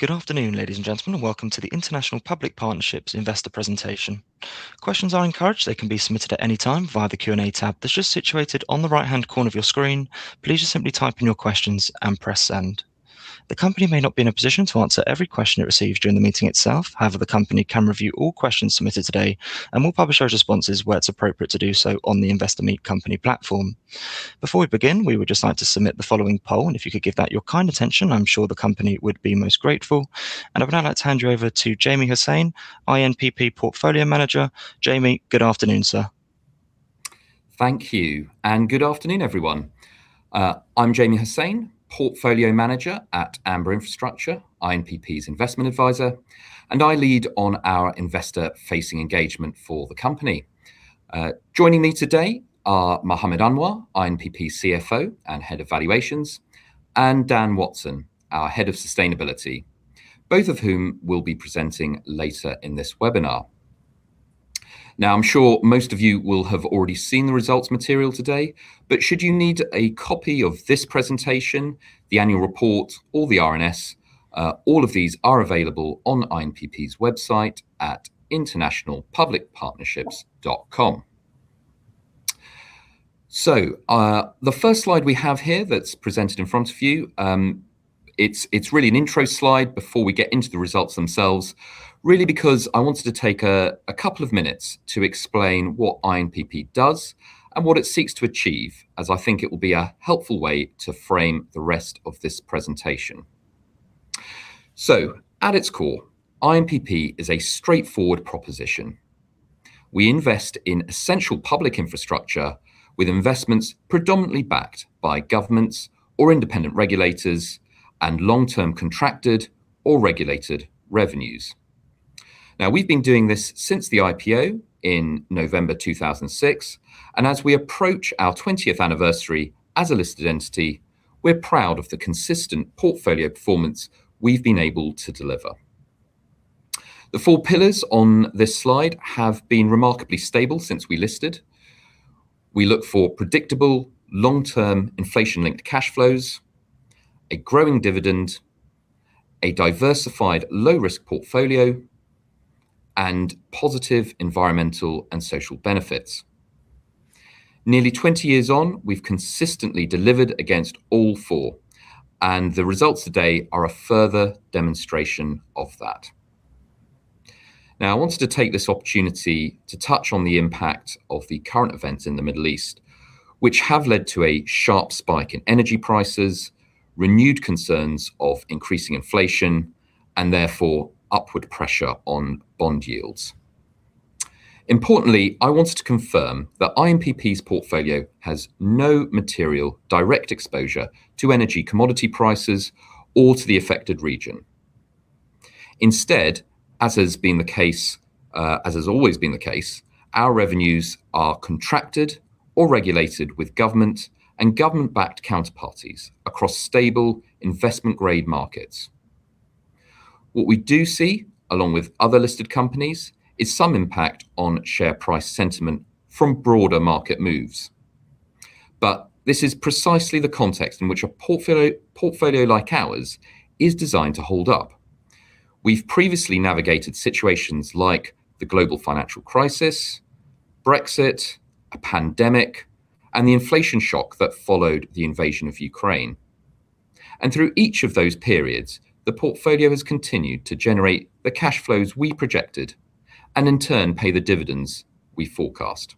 Good afternoon, ladies and gentlemen, and welcome to the International Public Partnerships investor presentation. Questions are encouraged. They can be submitted at any time via the Q&A tab that's just situated on the right-hand corner of your screen. Please just simply type in your questions and press Send. The company may not be in a position to answer every question it receives during the meeting itself. However, the company can review all questions submitted today and will publish our responses where it's appropriate to do so on the Investor Meet Company platform. Before we begin, we would just like to submit the following poll, and if you could give that your kind attention, I'm sure the company would be most grateful. I would now like to hand you over to Jamie Hossain, INPP Portfolio Manager. Jamie, good afternoon, sir. Thank you and good afternoon, everyone. I'm Jamie Hossain, Portfolio Manager at Amber Infrastructure, INPP's investment advisor, and I lead on our investor-facing engagement for the company. Joining me today are Muhammad Anwar, INPP CFO and Head of Valuations, and Daniel Watson, our Head of Sustainability, both of whom will be presenting later in this webinar. Now, I'm sure most of you will have already seen the results material today. Should you need a copy of this presentation, the annual report or the RNS, all of these are available on INPP's website at internationalpublicpartnerships.com. The first slide we have here that's presented in front of you, it's really an intro slide before we get into the results themselves, really because I wanted to take a couple of minutes to explain what INPP does and what it seeks to achieve, as I think it will be a helpful way to frame the rest of this presentation. At its core, INPP is a straightforward proposition. We invest in essential public infrastructure with investments predominantly backed by governments or independent regulators and long-term contracted or regulated revenues. Now, we've been doing this since the IPO in November 2006, and as we approach our 20th anniversary as a listed entity, we're proud of the consistent portfolio performance we've been able to deliver. The four pillars on this slide have been remarkably stable since we listed. We look for predictable long-term inflation-linked cash flows, a growing dividend, a diversified low-risk portfolio, and positive environmental and social benefits. Nearly 20 years on, we've consistently delivered against all four, and the results today are a further demonstration of that. Now, I wanted to take this opportunity to touch on the impact of the current events in the Middle East, which have led to a sharp spike in energy prices, renewed concerns of increasing inflation, and therefore upward pressure on bond yields. Importantly, I wanted to confirm that INPP's portfolio has no material direct exposure to energy commodity prices or to the affected region. Instead, as has been the case, as has always been the case, our revenues are contracted or regulated with government and government-backed counterparties across stable investment-grade markets. What we do see, along with other listed companies, is some impact on share price sentiment from broader market moves. This is precisely the context in which a portfolio like ours is designed to hold up. We've previously navigated situations like the global financial crisis, Brexit, a pandemic, and the inflation shock that followed the invasion of Ukraine. Through each of those periods, the portfolio has continued to generate the cash flows we projected and in turn pay the dividends we forecast.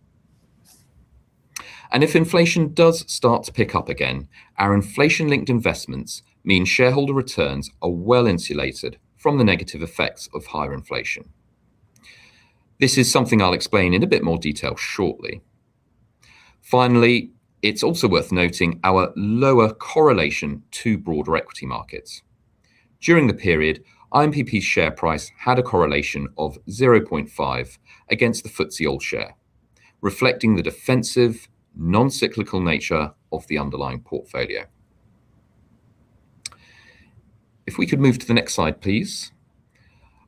If inflation does start to pick up again, our inflation-linked investments mean shareholder returns are well insulated from the negative effects of higher inflation. This is something I'll explain in a bit more detail shortly. Finally, it's also worth noting our lower correlation to broader equity markets. During the period, INPP's share price had a correlation of 0.5 against the FTSE All-Share, reflecting the defensive non-cyclical nature of the underlying portfolio. If we could move to the next slide, please.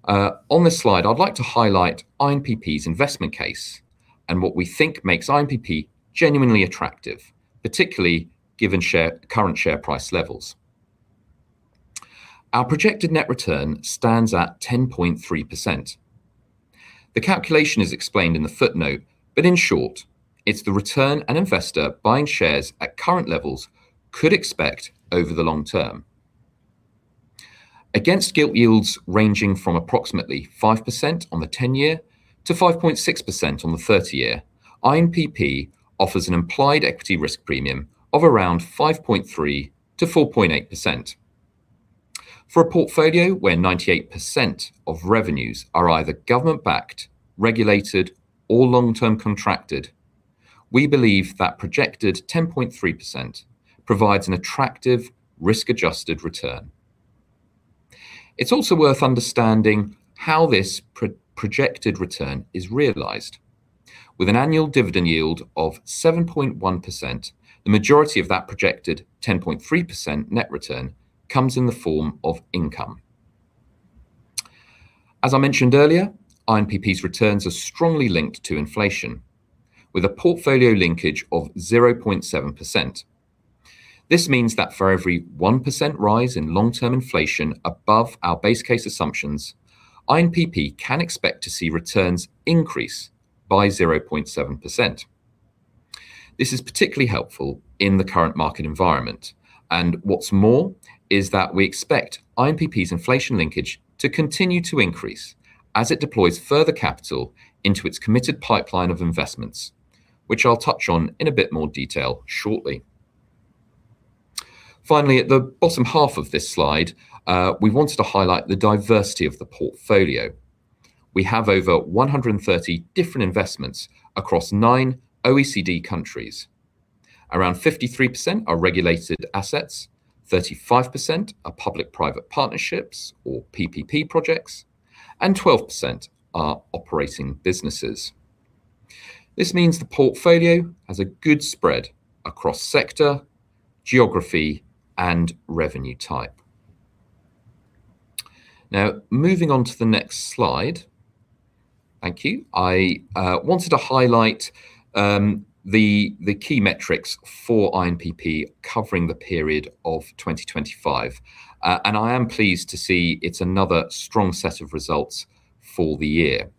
On this slide, I'd like to highlight INPP's investment case and what we think makes INPP genuinely attractive, particularly given current share price levels. Our projected net return stands at 10.3%. The calculation is explained in the footnote, but in short, it's the return an investor buying shares at current levels could expect over the long term. Against gilt yields ranging from approximately 5% on the 10-year to 5.6% on the 30-year, INPP offers an implied equity risk premium of around 5.3%-4.8%. For a portfolio where 98% of revenues are either government-backed, regulated or long-term contracted, we believe that projected 10.3% provides an attractive risk-adjusted return. It's also worth understanding how this projected return is realized. With an annual dividend yield of 7.1%, the majority of that projected 10.3% net return comes in the form of income. As I mentioned earlier, INPP's returns are strongly linked to inflation, with a portfolio linkage of 70%. This means that for every 1% rise in long-term inflation above our base case assumptions, INPP can expect to see returns increase by 0.7%. This is particularly helpful in the current market environment. What's more is that we expect INPP's inflation linkage to continue to increase as it deploys further capital into its committed pipeline of investments, which I'll touch on in a bit more detail shortly. Finally, at the bottom half of this slide, we wanted to highlight the diversity of the portfolio. We have over 130 different investments across nine OECD countries. Around 53% are regulated assets, 35% are public-private partnerships or PPP projects, and 12% are operating businesses. This means the portfolio has a good spread across sector, geography, and revenue type. Now, moving on to the next slide. Thank you. I wanted to highlight the key metrics for INPP covering the period of 2025. I am pleased to see it's another strong set of results for the year.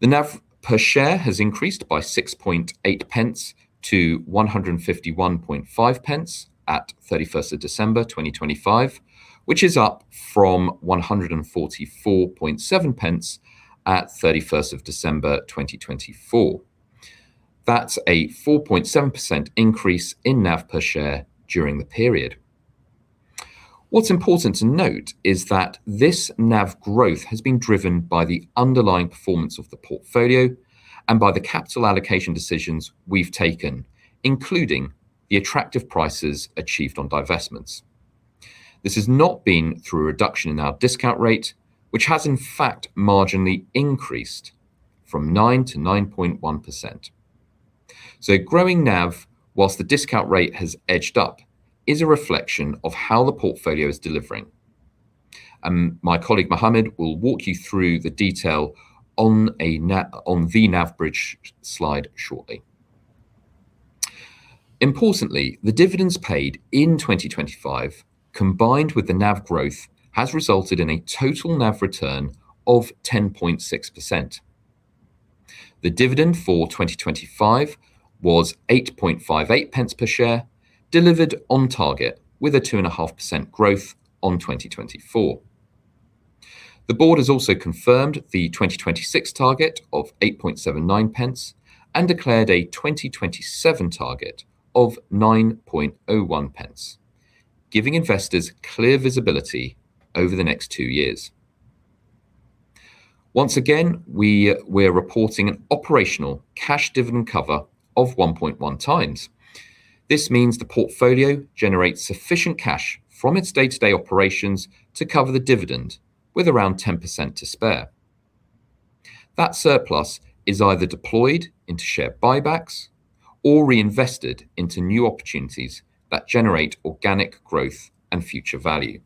The NAV per share has increased by 0.068 to 1.515 at 31 December 2025, which is up from 1.447 at 31 December 2024. That's a 4.7% increase in NAV per share during the period. What's important to note is that this NAV growth has been driven by the underlying performance of the portfolio and by the capital allocation decisions we've taken, including the attractive prices achieved on divestments. This has not been through a reduction in our discount rate, which has in fact marginally increased from 9% to 9.1%. A growing NAV whilst the discount rate has edged up is a reflection of how the portfolio is delivering. My colleague Muhammad will walk you through the detail on the NAV bridge slide shortly. Importantly, the dividends paid in 2025, combined with the NAV growth, has resulted in a total NAV return of 10.6%. The dividend for 2025 was 0.0858 per share, delivered on target with a 2.5% growth on 2024. The board has also confirmed the 2026 target of 0.0879 and declared a 2027 target of 9.01 pence, giving investors clear visibility over the next two years. Once again, we're reporting an operational cash dividend cover of 1.1x. This means the portfolio generates sufficient cash from its day-to-day operations to cover the dividend with around 10% to spare. That surplus is either deployed into share buybacks or reinvested into new opportunities that generate organic growth and future value.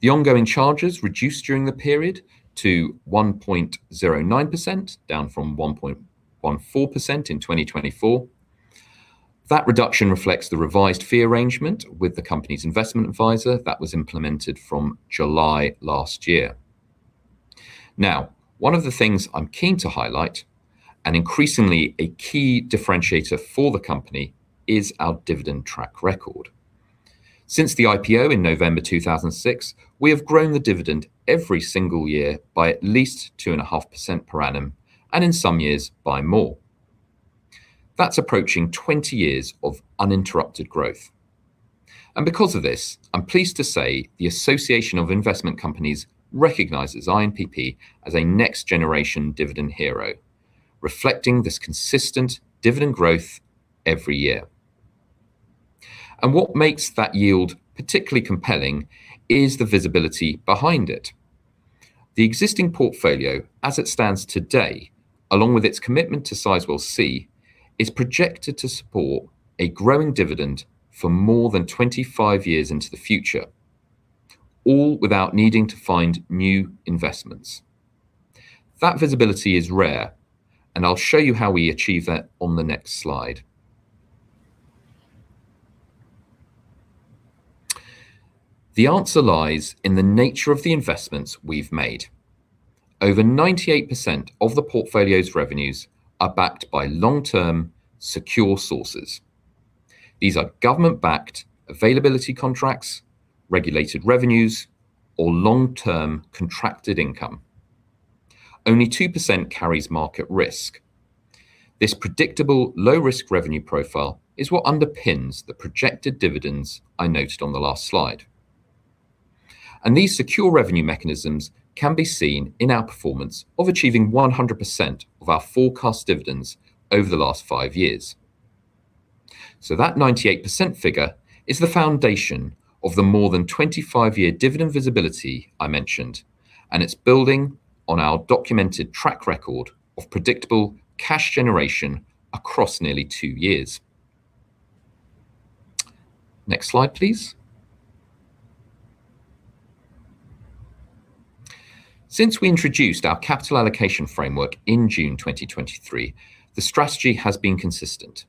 The ongoing charges reduced during the period to 1.09%, down from 1.14% in 2024. That reduction reflects the revised fee arrangement with the company's investment advisor that was implemented from July last year. Now, one of the things I'm keen to highlight, and increasingly a key differentiator for the company, is our dividend track record. Since the IPO in November 2006, we have grown the dividend every single year by at least 2.5% per annum, and in some years by more. That's approaching 20 years of uninterrupted growth. Because of this, I'm pleased to say the Association of Investment Companies recognizes INPP as a Next Generation Dividend Hero, reflecting this consistent dividend growth every year. What makes that yield particularly compelling is the visibility behind it. The existing portfolio, as it stands today, along with its commitment to Sizewell C, is projected to support a growing dividend for more than 25 years into the future, all without needing to find new investments. That visibility is rare, and I'll show you how we achieve that on the next slide. The answer lies in the nature of the investments we've made. Over 98% of the portfolio's revenues are backed by long-term, secure sources. These are government-backed availability contracts, regulated revenues, or long-term contracted income. Only 2% carries market risk. This predictable low-risk revenue profile is what underpins the projected dividends I noted on the last slide. These secure revenue mechanisms can be seen in our performance of achieving 100% of our forecast dividends over the last five years. That 98% figure is the foundation of the more than 25-year dividend visibility I mentioned, and it's building on our documented track record of predictable cash generation across nearly two years. Next slide, please. Since we introduced our capital allocation framework in June 2023, the strategy has been consistent.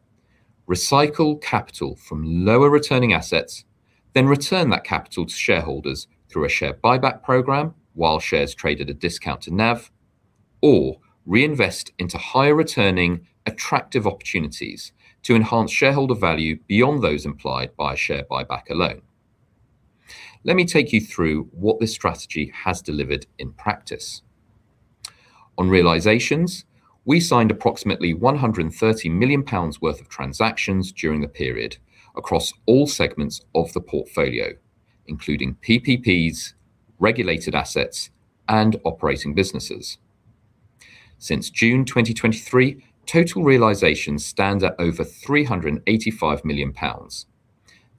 Recycle capital from lower returning assets, then return that capital to shareholders through a share buyback program while shares trade at a discount to NAV, or reinvest into higher returning attractive opportunities to enhance shareholder value beyond those implied by a share buyback alone. Let me take you through what this strategy has delivered in practice. On realizations, we signed approximately 130 million pounds worth of transactions during the period across all segments of the portfolio, including PPPs, regulated assets, and operating businesses. Since June 2023, total realizations stand at over 385 million pounds.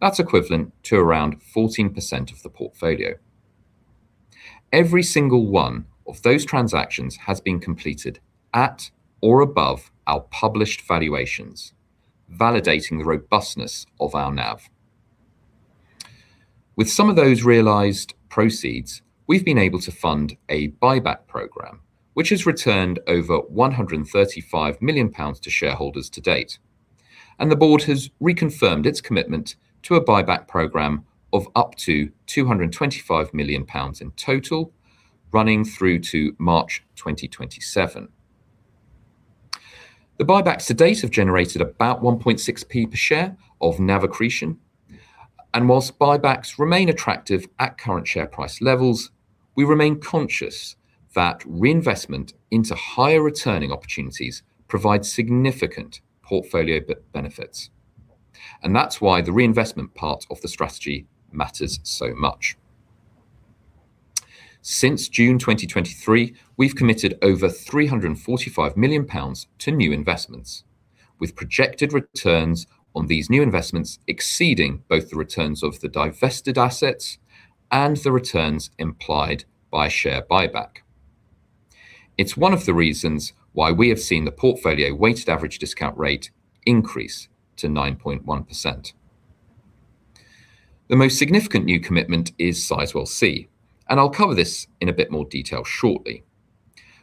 That's equivalent to around 14% of the portfolio. Every single one of those transactions has been completed at or above our published valuations, validating the robustness of our NAV. With some of those realized proceeds, we've been able to fund a buyback program, which has returned over 135 million pounds to shareholders to date. The board has reconfirmed its commitment to a buyback program of up to 225 million pounds in total, running through to March 2027. The buybacks to date have generated about 0.016 per share of NAV accretion. Whilst buybacks remain attractive at current share price levels, we remain conscious that reinvestment into higher returning opportunities provide significant portfolio benefits. That's why the reinvestment part of the strategy matters so much. Since June 2023, we've committed over 345 million pounds to new investments, with projected returns on these new investments exceeding both the returns of the divested assets and the returns implied by a share buyback. It's one of the reasons why we have seen the portfolio weighted average discount rate increase to 9.1%. The most significant new commitment is Sizewell C, and I'll cover this in a bit more detail shortly.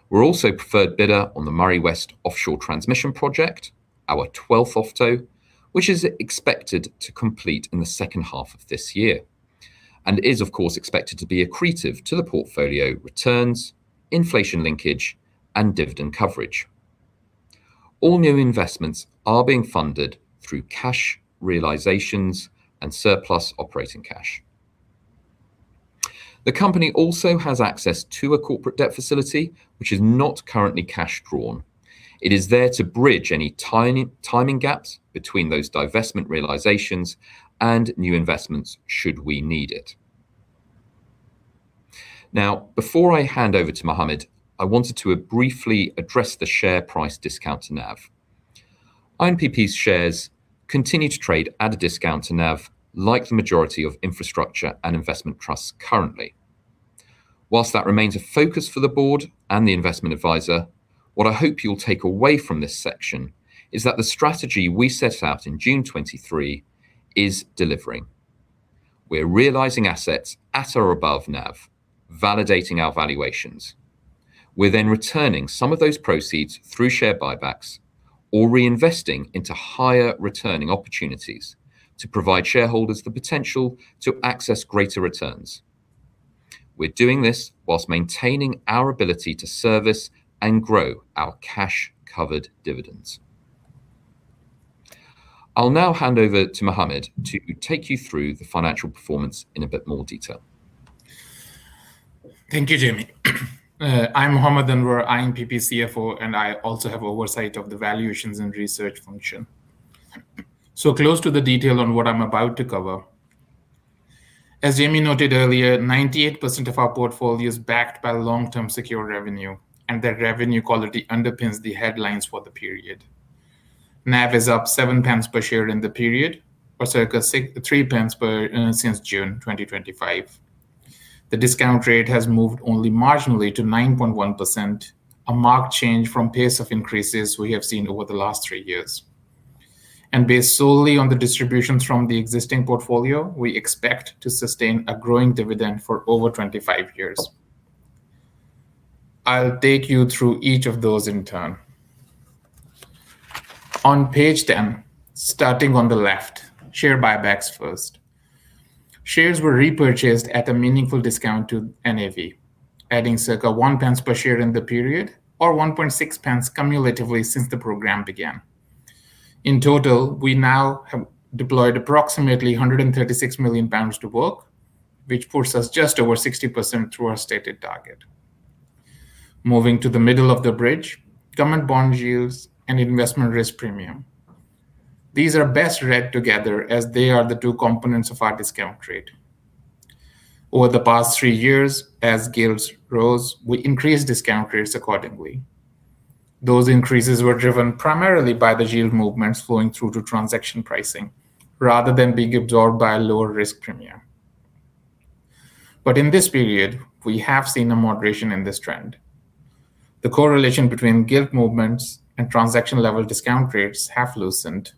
We're also preferred bidder on the Moray West Offshore Transmission Project, our 12th OFTO, which is expected to complete in the second half of this year, and is, of course, expected to be accretive to the portfolio returns, inflation linkage, and dividend coverage. All new investments are being funded through cash realizations and surplus operating cash. The company also has access to a corporate debt facility, which is not currently cash drawn. It is there to bridge any tiny timing gaps between those divestment realizations and new investments should we need it. Now, before I hand over to Muhammad, I wanted to briefly address the share price discount to NAV. INPP's shares continue to trade at a discount to NAV like the majority of infrastructure and investment trusts currently. Whilst that remains a focus for the board and the investment advisor, what I hope you'll take away from this section is that the strategy we set out in June 2023 is delivering. We're realizing assets at or above NAV, validating our valuations. We're then returning some of those proceeds through share buybacks or reinvesting into higher returning opportunities to provide shareholders the potential to access greater returns. We're doing this whilst maintaining our ability to service and grow our cash-covered dividends. I'll now hand over to Muhammad to take you through the financial performance in a bit more detail. Thank you, Jamie. I'm Muhammad Anwar, INPP CFO, and I also have oversight of the valuations and research function. Close to the detail on what I'm about to cover. As Jamie noted earlier, 98% of our portfolio is backed by long-term secure revenue, and that revenue quality underpins the headlines for the period. NAV is up 0.07 per share in the period or circa 0.63 per share since June 2025. The discount rate has moved only marginally to 9.1%, a marked change from pace of increases we have seen over the last three years. Based solely on the distributions from the existing portfolio, we expect to sustain a growing dividend for over 25 years. I'll take you through each of those in turn. On page 10, starting on the left, share buybacks first. Shares were repurchased at a meaningful discount to NAV, adding circa 0.01 per share in the period or 0.016 cumulatively since the program began. In total, we now have deployed approximately 136 million pounds to date, which puts us just over 60% through our stated target. Moving to the middle of the bridge, government bond yields and investment risk premium. These are best read together as they are the two components of our discount rate. Over the past three years, as yields rose, we increased discount rates accordingly. Those increases were driven primarily by the yield movements flowing through to transaction pricing rather than being absorbed by a lower risk premium. In this period, we have seen a moderation in this trend. The correlation between gilt movements and transaction-level discount rates have loosened,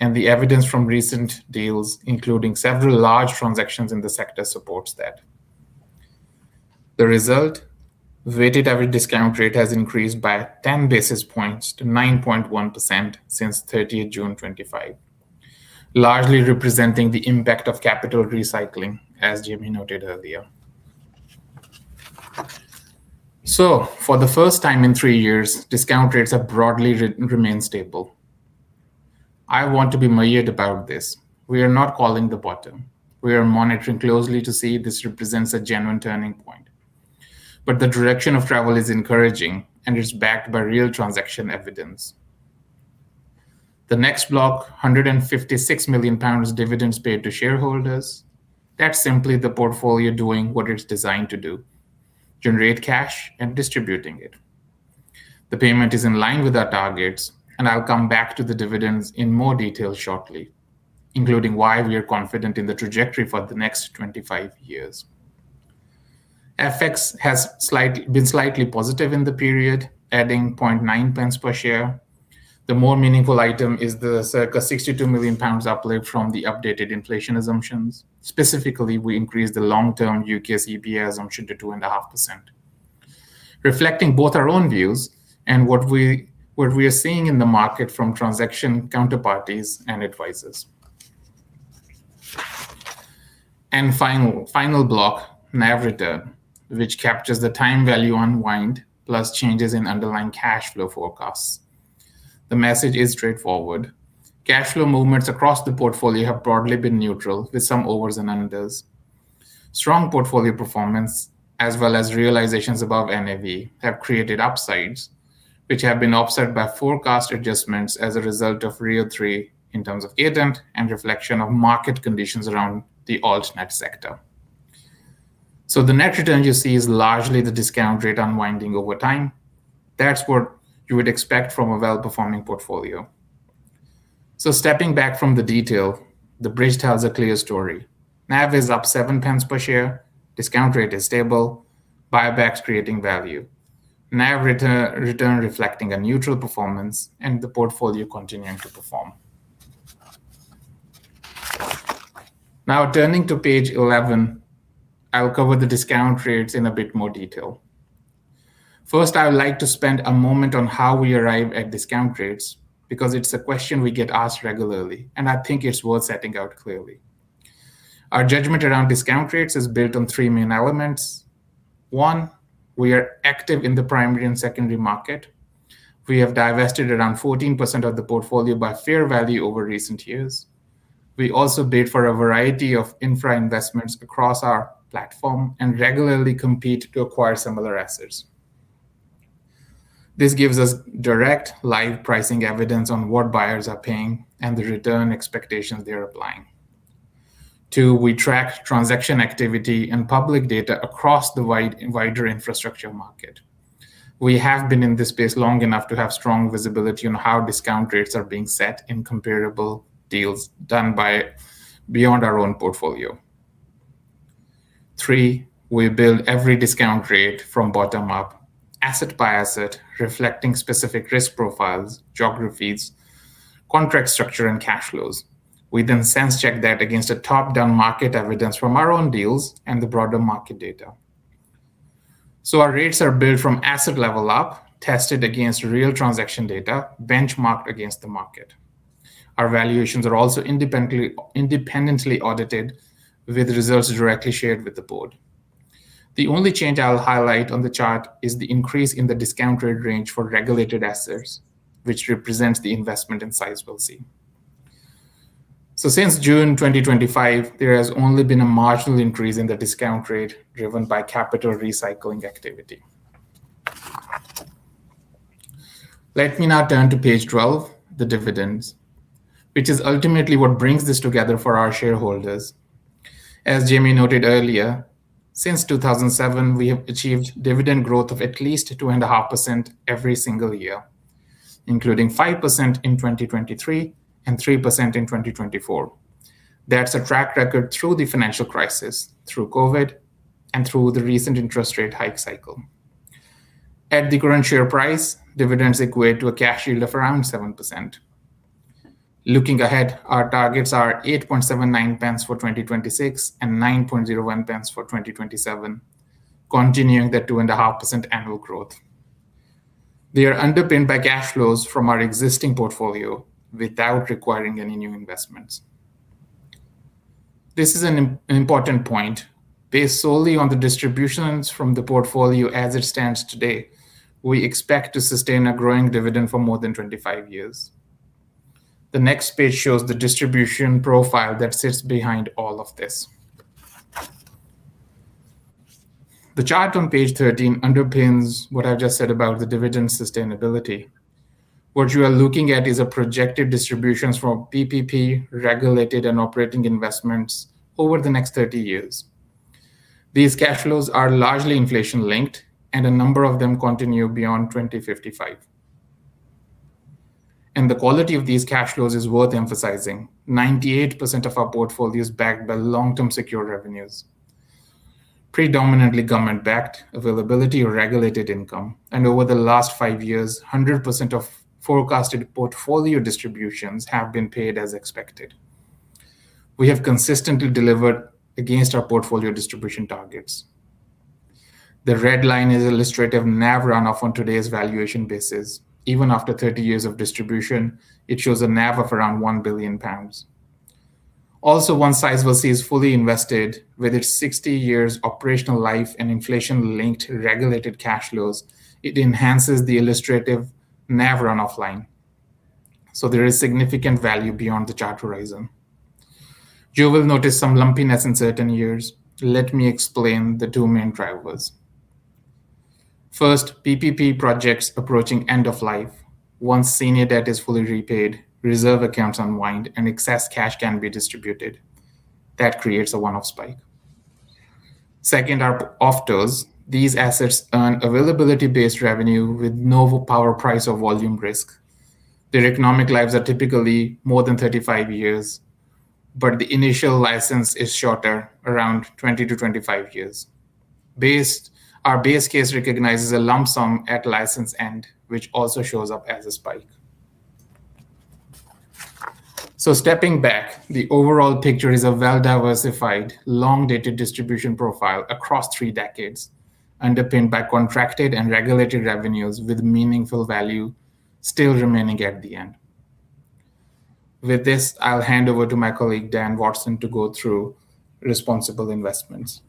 and the evidence from recent deals, including several large transactions in the sector, supports that. The result, weighted average discount rate has increased by 10 basis points to 9.1% since 30 June 2025, largely representing the impact of capital recycling, as Jamie noted earlier. For the first time in three years, discount rates have broadly remained stable. I want to be clear about this. We are not calling the bottom. We are monitoring closely to see if this represents a genuine turning point. The direction of travel is encouraging and is backed by real transaction evidence. The next block, 156 million pounds dividends paid to shareholders, that's simply the portfolio doing what it's designed to do, generate cash and distributing it. The payment is in line with our targets, and I'll come back to the dividends in more detail shortly, including why we are confident in the trajectory for the next 25 years. FX has been slightly positive in the period, adding 0.009 per share. The more meaningful item is the circa 62 million pounds uplift from the updated inflation assumptions. Specifically, we increased the long-term U.K. CPI assumption to 2.5%, reflecting both our own views and what we are seeing in the market from transaction counterparties and advisors. Final block, NAV return, which captures the time value unwind plus changes in underlying cash flow forecasts. The message is straightforward. Cash flow movements across the portfolio have broadly been neutral, with some overs and unders. Strong portfolio performance, as well as realizations above NAV, have created upsides, which have been offset by forecast adjustments as a result of RIIO-3 in terms of Cadent and reflection of market conditions around the alternative sector. The net return you see is largely the discount rate unwinding over time. That's what you would expect from a well-performing portfolio. Stepping back from the detail, the bridge tells a clear story. NAV is up 0.07 per share. Discount rate is stable. Buyback's creating value. NAV return reflecting a neutral performance, and the portfolio continuing to perform. Turning to page 11, I'll cover the discount rates in a bit more detail. First, I would like to spend a moment on how we arrive at discount rates because it's a question we get asked regularly, and I think it's worth setting out clearly. Our judgment around discount rates is built on three main elements. One, we are active in the primary and secondary market. We have divested around 14% of the portfolio by fair value over recent years. We also bid for a variety of infra investments across our platform and regularly compete to acquire similar assets. This gives us direct live pricing evidence on what buyers are paying and the return expectations they are applying. Two, we track transaction activity and public data across the wider infrastructure market. We have been in this space long enough to have strong visibility on how discount rates are being set in comparable deals done by others beyond our own portfolio. Three, we build every discount rate from bottom up, asset by asset, reflecting specific risk profiles, geographies, contract structure, and cash flows. We then sense check that against the top-down market evidence from our own deals and the broader market data. Our rates are built from asset level up, tested against real transaction data, benchmarked against the market. Our valuations are also independently audited with results directly shared with the board. The only change I'll highlight on the chart is the increase in the discount rate range for regulated assets, which represents the investment in Sizewell C. Since June 2025, there has only been a marginal increase in the discount rate driven by capital recycling activity. Let me now turn to page 12, the dividends, which is ultimately what brings this together for our shareholders. As Jamie noted earlier, since 2007, we have achieved dividend growth of at least 2.5% every single year, including 5% in 2023 and 3% in 2024. That's a track record through the financial crisis, through COVID, and through the recent interest rate hike cycle. At the current share price, dividends equate to a cash yield of around 7%. Looking ahead, our targets are 0.0879 for 2026 and 0.0901 for 2027, continuing the 2.5% annual growth. They are underpinned by cash flows from our existing portfolio without requiring any new investments. This is an important point. Based solely on the distributions from the portfolio as it stands today, we expect to sustain a growing dividend for more than 25 years. The next page shows the distribution profile that sits behind all of this. The chart on page 13 underpins what I've just said about the dividend sustainability. What you are looking at is a projected distributions from PPP, regulated, and operating investments over the next 30 years. These cash flows are largely inflation-linked, and a number of them continue beyond 2055. The quality of these cash flows is worth emphasizing. 98% of our portfolio is backed by long-term secure revenues, predominantly government-backed availability or regulated income. Over the last five years, 100% of forecasted portfolio distributions have been paid as expected. We have consistently delivered against our portfolio distribution targets. The red line is illustrative NAV run-off on today's valuation basis. Even after 30 years of distribution, it shows a NAV of around 1 billion pounds. Also, once Sizewell C is fully invested, with its 60 years operational life and inflation-linked regulated cash flows, it enhances the illustrative NAV run-off line. There is significant value beyond the chart horizon. You will notice some lumpiness in certain years. Let me explain the two main drivers. First, PPP projects approaching end of life. Once senior debt is fully repaid, reserve accounts unwind, and excess cash can be distributed. That creates a one-off spike. Second are OFTOs. These assets earn availability-based revenue with no power price or volume risk. Their economic lives are typically more than 35 years, but the initial license is shorter, around 20-25 years. Our base case recognizes a lump sum at license end, which also shows up as a spike. Stepping back, the overall picture is a well-diversified, long-dated distribution profile across three decades, underpinned by contracted and regulated revenues with meaningful value still remaining at the end. With this, I'll hand over to my colleague, Dan Watson, to go through responsible investments.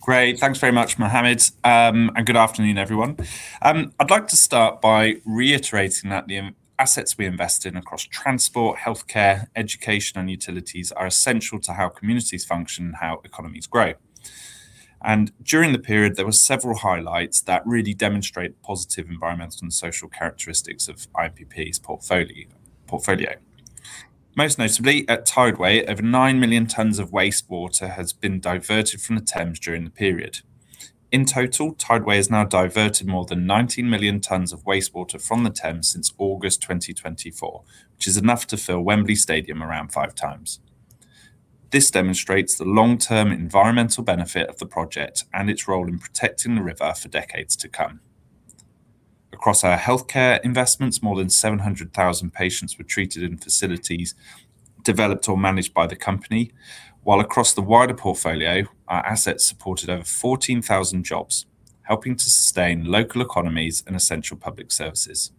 Great. Thanks very much, Muhammad. Good afternoon, everyone. I'd like to start by reiterating that the assets we invest in across transport, healthcare, education, and utilities are essential to how communities function and how economies grow. During the period, there were several highlights that really demonstrate positive environmental and social characteristics of IPP's portfolio. Most notably, at Tideway, over 9 million tons of wastewater has been diverted from the Thames during the period. In total, Tideway has now diverted more than 19 million tons of wastewater from the Thames since August 2024, which is enough to fill Wembley Stadium around five times. This demonstrates the long-term environmental benefit of the project and its role in protecting the river for decades to come. Across our healthcare investments, more than 700,000 patients were treated in facilities developed or managed by the company. While across the wider portfolio, our assets supported over 14,000 jobs, helping to sustain local economies and essential public services.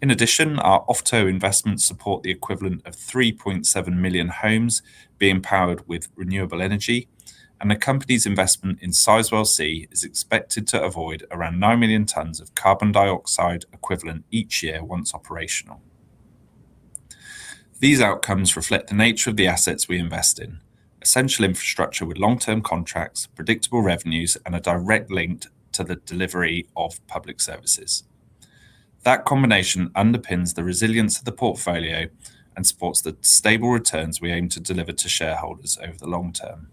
In addition, our OFTO investments support the equivalent of 3.7 million homes being powered with renewable energy, and the company's investment in Sizewell C is expected to avoid around 9 million tons of carbon dioxide equivalent each year once operational. These outcomes reflect the nature of the assets we invest in. Essential infrastructure with long-term contracts, predictable revenues, and a direct link to the delivery of public services. That combination underpins the resilience of the portfolio and supports the stable returns we aim to deliver to shareholders over the long term.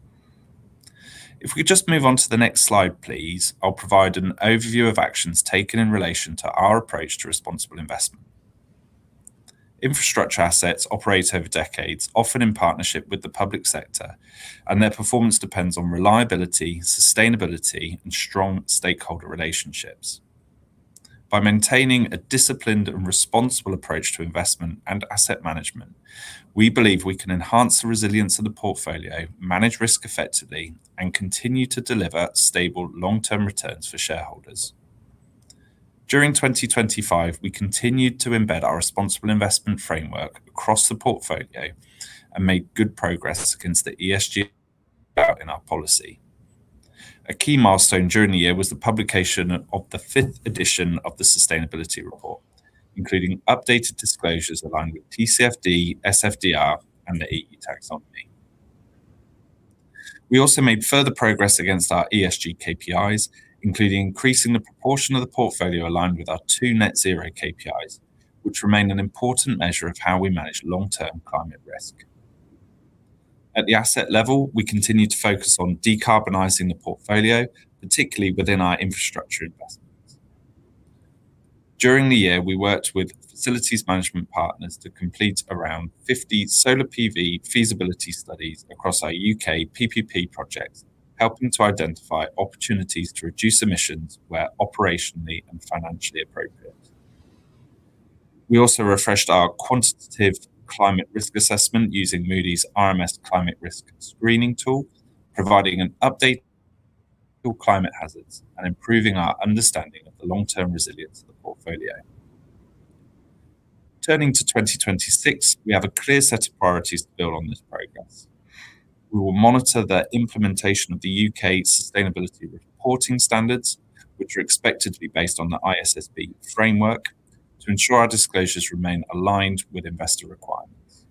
If we just move on to the next slide, please, I'll provide an overview of actions taken in relation to our approach to responsible investment. Infrastructure assets operate over decades, often in partnership with the public sector, and their performance depends on reliability, sustainability, and strong stakeholder relationships. By maintaining a disciplined and responsible approach to investment and asset management, we believe we can enhance the resilience of the portfolio, manage risk effectively, and continue to deliver stable long-term returns for shareholders. During 2025, we continued to embed our responsible investment framework across the portfolio and made good progress against the ESG set out in our policy. A key milestone during the year was the publication of the fifth edition of the sustainability report, including updated disclosures aligned with TCFD, SFDR, and the EU Taxonomy. We also made further progress against our ESG KPIs, including increasing the proportion of the portfolio aligned with our two net zero KPIs, which remain an important measure of how we manage long-term climate risk. At the asset level, we continued to focus on decarbonizing the portfolio, particularly within our infrastructure investments. During the year, we worked with facilities management partners to complete around 50 solar PV feasibility studies across our U.K. PPP projects, helping to identify opportunities to reduce emissions where operationally and financially appropriate. We also refreshed our quantitative climate risk assessment using Moody's RMS Climate Risk Screening Tool, providing an update to climate hazards and improving our understanding of the long-term resilience of the portfolio. Turning to 2026, we have a clear set of priorities to build on this progress. We will monitor the implementation of the U.K. Sustainability Reporting Standards, which are expected to be based on the ISSB framework, to ensure our disclosures remain aligned with investor requirements.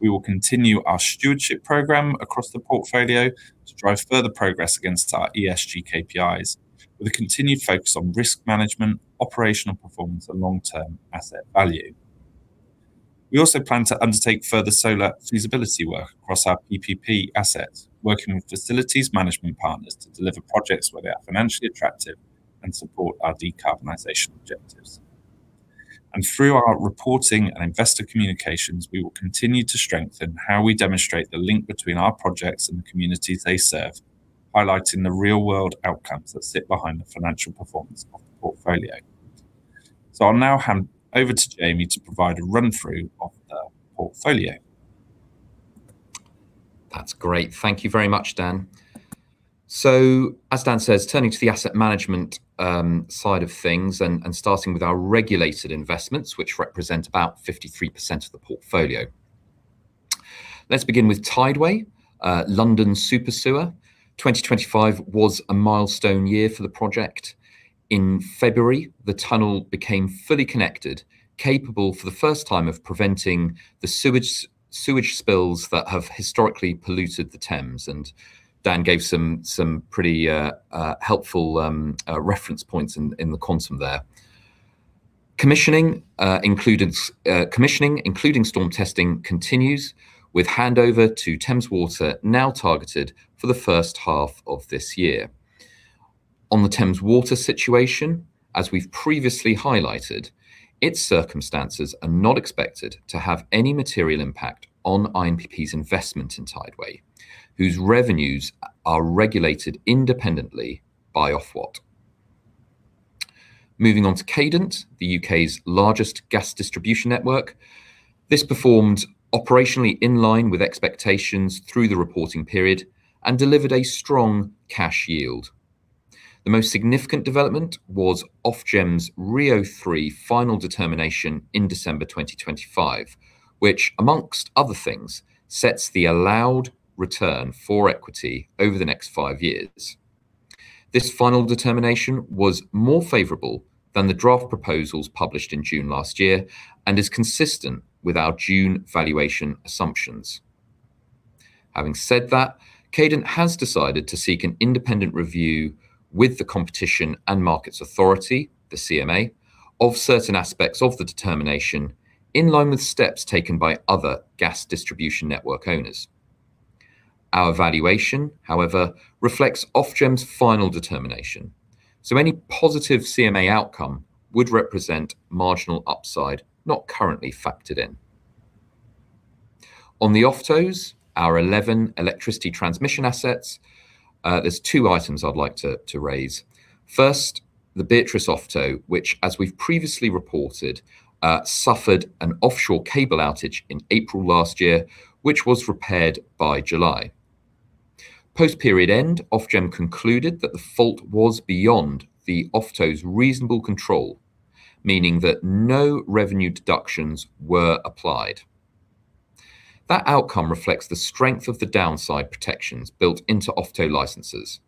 We will continue our stewardship program across the portfolio to drive further progress against our ESG KPIs with a continued focus on risk management, operational performance, and long-term asset value. We also plan to undertake further solar feasibility work across our PPP assets, working with facilities management partners to deliver projects where they are financially attractive and support our decarbonization objectives. Through our reporting and investor communications, we will continue to strengthen how we demonstrate the link between our projects and the communities they serve, highlighting the real-world outcomes that sit behind the financial performance of the portfolio. I'll now hand over to Jamie to provide a run-through of the portfolio. That's great. Thank you very much, Dan. As Dan says, turning to the asset management side of things and starting with our regulated investments, which represent about 53% of the portfolio. Let's begin with Tideway, London's super sewer. 2025 was a milestone year for the project. In February, the tunnel became fully connected, capable for the first time of preventing the sewage spills that have historically polluted the Thames. Dan gave some pretty helpful reference points in the comparisons there. Commissioning, including storm testing, continues with handover to Thames Water now targeted for the first half of this year. On the Thames Water situation, as we've previously highlighted, its circumstances are not expected to have any material impact on INPP's investment in Tideway, whose revenues are regulated independently by Ofwat. Moving on to Cadent, the U.K.'s largest gas distribution network. This performed operationally in line with expectations through the reporting period and delivered a strong cash yield. The most significant development was Ofgem's RIIO-3 final determination in December 2025, which among other things, sets the allowed return for equity over the next five years. This final determination was more favorable than the draft proposals published in June last year and is consistent with our June valuation assumptions. Having said that, Cadent has decided to seek an independent review with the Competition and Markets Authority, the CMA, of certain aspects of the determination in line with steps taken by other gas distribution network owners. Our valuation, however, reflects Ofgem's final determination, so any positive CMA outcome would represent marginal upside not currently factored in. On the OFTOs, our 11 electricity transmission assets, there's two items I'd like to raise. First, the Beatrice OFTO, which as we've previously reported, suffered an offshore cable outage in April last year, which was repaired by July. Post-period end, Ofgem concluded that the fault was beyond the OFTO's reasonable control, meaning that no revenue deductions were applied. That outcome reflects the strength of the downside protections built into OFTO licenses.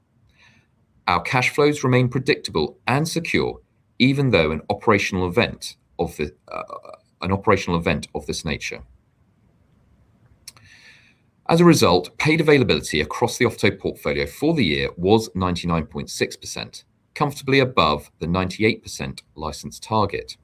Our cash flows remain predictable and secure, even though an operational event of this nature. As a result, paid availability across the OFTO portfolio for the year was 99.6%, comfortably above the 98% license target.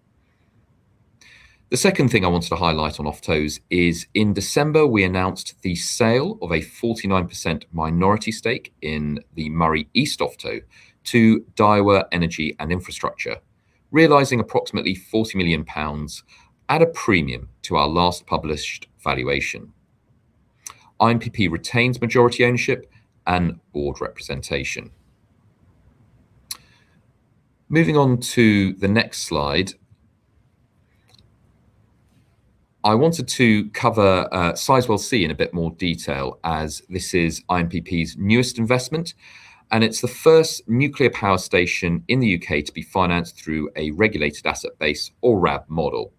The second thing I wanted to highlight on OFTOs is in December, we announced the sale of a 49% minority stake in the Moray East OFTO to Daiwa Energy & Infrastructure, realizing approximately 40 million pounds at a premium to our last published valuation. INPP retains majority ownership and board representation. Moving on to the next slide. I wanted to cover Sizewell C in a bit more detail as this is INPP's newest investment, and it's the first nuclear power station in the U.K. to be financed through a regulated asset base or RAB model.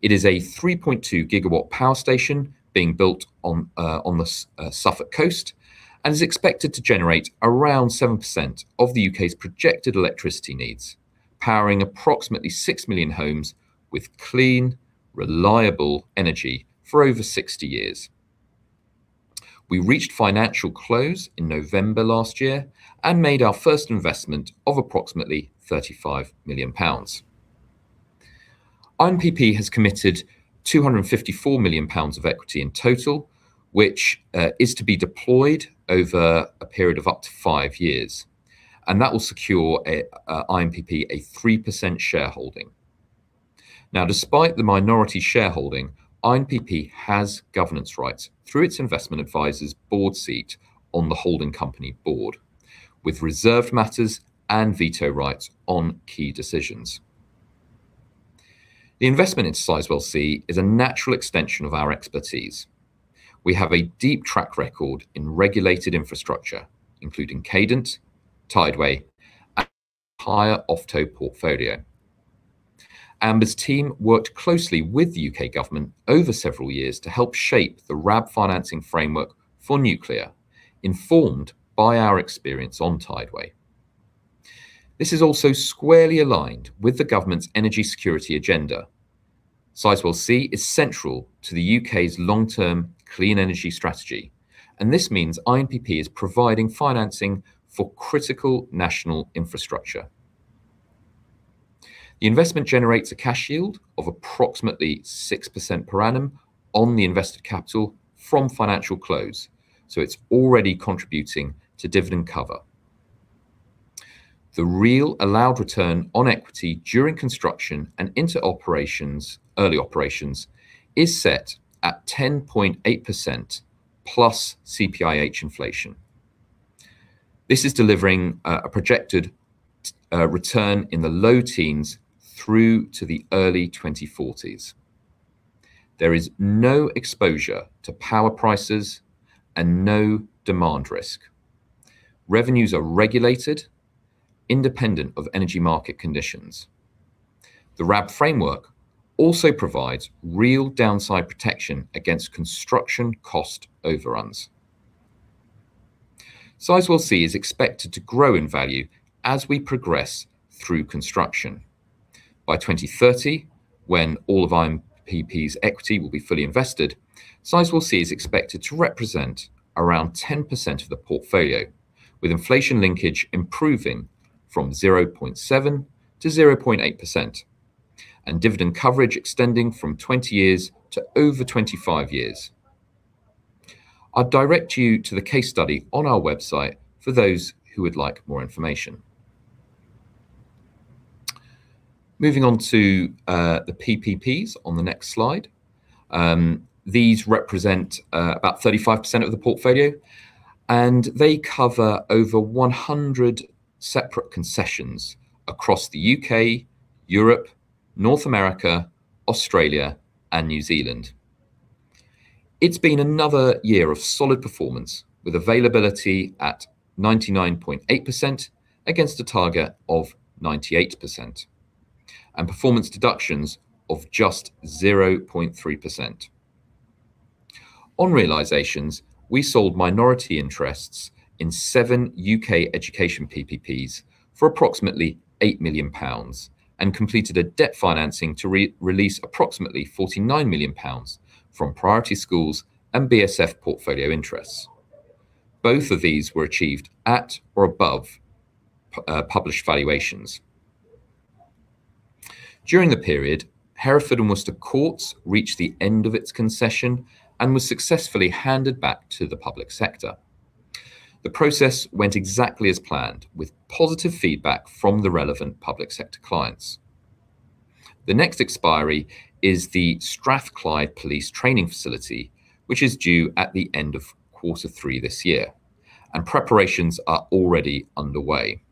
It is a 3.2 GW power station being built on the Suffolk coast and is expected to generate around 7% of the U.K.'s projected electricity needs, powering approximately 6 million homes with clean, reliable energy for over 60 years. We reached financial close in November last year and made our first investment of approximately 35 million pounds. INPP has committed 254 million pounds of equity in total, which is to be deployed over a period of up to five years, and that will secure INPP a 3% shareholding. Despite the minority shareholding, INPP has governance rights through its investment advisor's board seat on the holding company board with reserved matters and veto rights on key decisions. The investment in Sizewell C is a natural extension of our expertise. We have a deep track record in regulated infrastructure, including Cadent, Tideway, and our entire OFTO portfolio. Amber's team worked closely with the U.K. government over several years to help shape the RAB financing framework for nuclear, informed by our experience on Tideway. This is also squarely aligned with the government's energy security agenda. Sizewell C is central to the U.K.'s long-term clean energy strategy, and this means INPP is providing financing for critical national infrastructure. The investment generates a cash yield of approximately 6% per annum on the invested capital from financial close, so it's already contributing to dividend cover. The real allowed return on equity during construction and into operations, early operations is set at 10.8% plus CPIH inflation. This is delivering a projected return in the low teens through to the early 2040s. There is no exposure to power prices and no demand risk. Revenues are regulated independent of energy market conditions. The RAB framework also provides real downside protection against construction cost overruns. Sizewell C is expected to grow in value as we progress through construction. By 2030 when all of INPP's equity will be fully invested, Sizewell C is expected to represent around 10% of the portfolio with inflation linkage improving from 0.7% to 0.8% and dividend coverage extending from 20 years to over 25 years. I'll direct you to the case study on our website for those who would like more information. Moving on to the PPPs on the next slide. These represent about 35% of the portfolio, and they cover over 100 separate concessions across the U.K., Europe, North America, Australia, and New Zealand. It's been another year of solid performance with availability at 99.8% against a target of 98% and performance deductions of just 0.3%. On realizations, we sold minority interests in seven U.K. education PPPs for approximately 8 million pounds and completed a debt financing to re-release approximately 49 million pounds from Priority Schools and BSF portfolio interests. Both of these were achieved at or above published valuations. During the period, Hereford and Worcester Courts reached the end of its concession and was successfully handed back to the public sector. The process went exactly as planned, with positive feedback from the relevant public sector clients. The next expiry is the Strathclyde Police training facility, which is due at the end of quarter three this year, and preparations are already underway.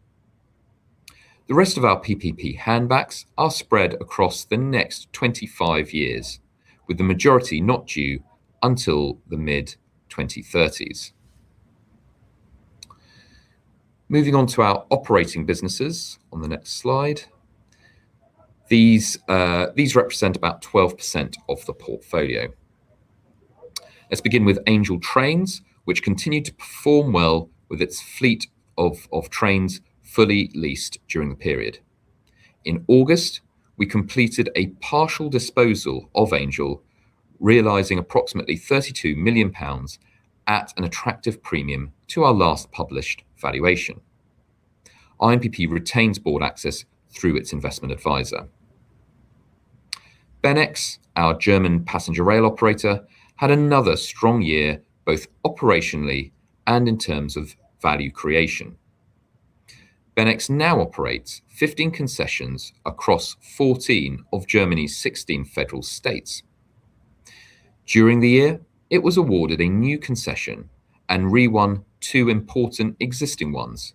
The rest of our PPP handbacks are spread across the next 25 years, with the majority not due until the mid-2030s. Moving on to our operating businesses on the next slide. These represent about 12% of the portfolio. Let's begin with Angel Trains, which continued to perform well with its fleet of trains fully leased during the period. In August, we completed a partial disposal of Angel, realizing approximately 32 million pounds at an attractive premium to our last published valuation. INPP retains board access through its investment advisor. BeNEX, our German passenger rail operator, had another strong year, both operationally and in terms of value creation. BeNEX now operates 15 concessions across 14 of Germany's 16 federal states. During the year, it was awarded a new concession and re-won two important existing ones,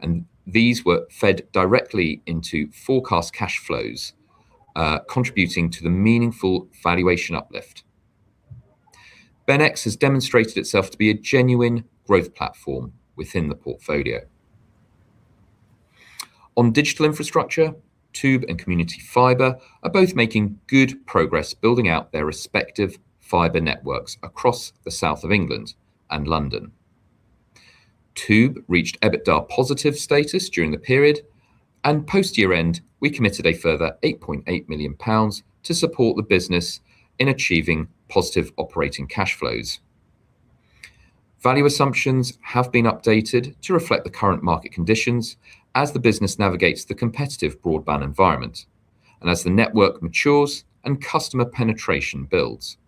and these were fed directly into forecast cash flows, contributing to the meaningful valuation uplift. BeNEX has demonstrated itself to be a genuine growth platform within the portfolio. On digital infrastructure, toob and Community Fibre are both making good progress building out their respective fiber networks across the South of England and London. toob reached EBITDA positive status during the period, and post-year end, we committed a further 8.8 million pounds to support the business in achieving positive operating cash flows. Value assumptions have been updated to reflect the current market conditions as the business navigates the competitive broadband environment and as the network matures and customer penetration builds.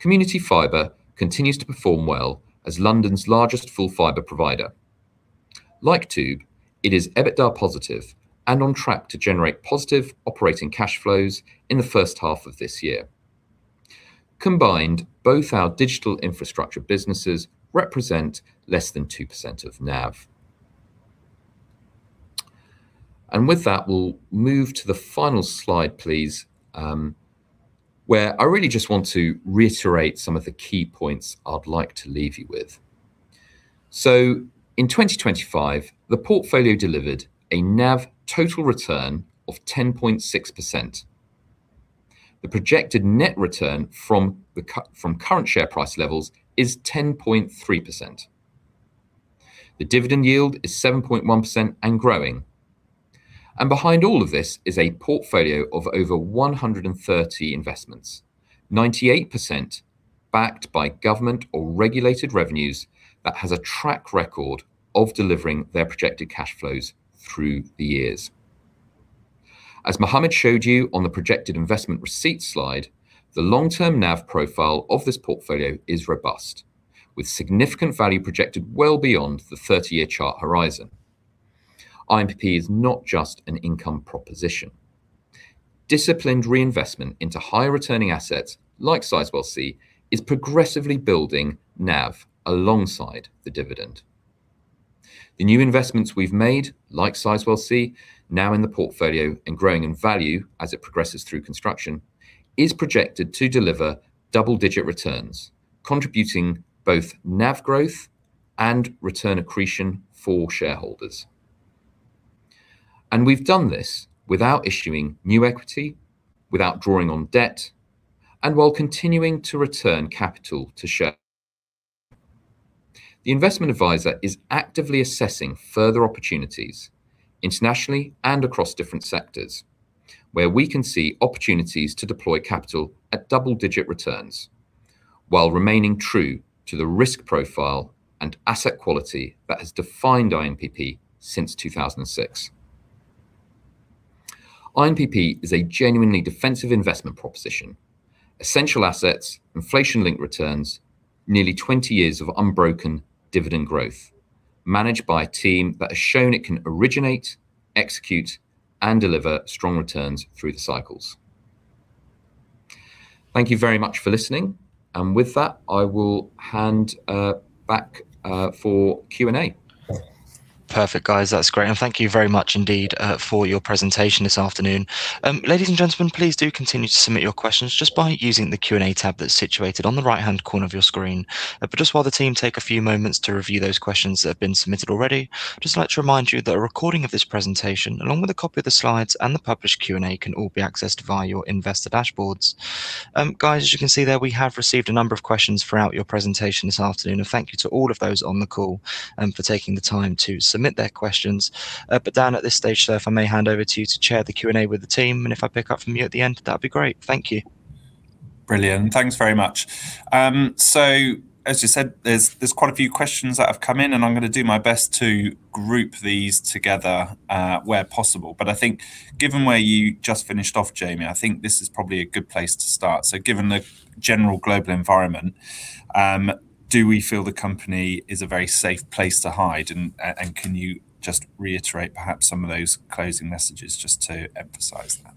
Community Fibre continues to perform well as London's largest full fiber provider. Like toob, it is EBITDA positive and on track to generate positive operating cash flows in the first half of this year. Combined, both our digital infrastructure businesses represent less than 2% of NAV. With that, we'll move to the final slide, please, where I really just want to reiterate some of the key points I'd like to leave you with. In 2025, the portfolio delivered a NAV total return of 10.6%. The projected net return from current share price levels is 10.3%. The dividend yield is 7.1% and growing. Behind all of this is a portfolio of over 130 investments, 98% backed by government or regulated revenues that has a track record of delivering their projected cash flows through the years. As Muhammad showed you on the projected investment receipt slide, the long-term NAV profile of this portfolio is robust, with significant value projected well beyond the 30-year chart horizon. INPP is not just an income proposition. Disciplined reinvestment into higher returning assets like Sizewell C is progressively building NAV alongside the dividend. The new investments we've made, like Sizewell C, now in the portfolio and growing in value as it progresses through construction, is projected to deliver double-digit returns, contributing both NAV growth and return accretion for shareholders. We've done this without issuing new equity, without drawing on debt, and while continuing to return capital to shareholders. The investment advisor is actively assessing further opportunities internationally and across different sectors where we can see opportunities to deploy capital at double-digit returns while remaining true to the risk profile and asset quality that has defined INPP since 2006. INPP is a genuinely defensive investment proposition. Essential assets, inflation-linked returns, nearly 20 years of unbroken dividend growth, managed by a team that has shown it can originate, execute, and deliver strong returns through the cycles. Thank you very much for listening. With that, I will hand back for Q&A. Perfect, guys. That's great. Thank you very much indeed for your presentation this afternoon. Ladies and gentlemen, please do continue to submit your questions just by using the Q&A tab that's situated on the right-hand corner of your screen. Just while the team take a few moments to review those questions that have been submitted already, I'd just like to remind you that a recording of this presentation, along with a copy of the slides and the published Q&A, can all be accessed via your investor dashboards. Guys, as you can see there, we have received a number of questions throughout your presentation this afternoon. Thank you to all of those on the call for taking the time to submit their questions. Dan, at this stage, sir, if I may hand over to you to chair the Q&A with the team. If I pick up from you at the end, that'd be great. Thank you. Brilliant. Thanks very much. As you said, there's quite a few questions that have come in, and I'm gonna do my best to group these together where possible. I think given where you just finished off, Jamie, I think this is probably a good place to start. Given the general global environment, do we feel the company is a very safe place to hide? And can you just reiterate perhaps some of those closing messages just to emphasize that?